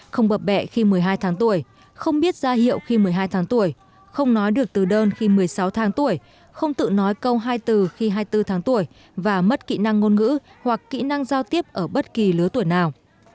không bập bẹ khi một mươi hai tháng tuổi không biết ra hiệu khi một mươi hai tháng tuổi không nói được từ đơn khi một mươi sáu tháng tuổi không tự nói câu hai từ khi hai mươi bốn tháng tuổi và mất kỹ năng ngôn ngữ hoặc kỹ năng giao tiếp ở bất kỳ lứa tuổi nào